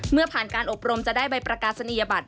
เมื่อผ่านการอบรมจะได้ใบประกาศนียบัตร